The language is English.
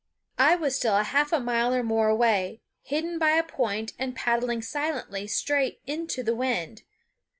I was still half a mile or more away, hidden by a point and paddling silently straight into the wind.